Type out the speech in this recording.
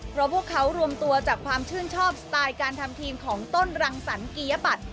เพราะพวกเขารวมตัวจากความชื่นชอบสไตล์การทำทีมของต้นรังสรรเกียบัตร